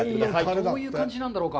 どういう感じなんだろうか。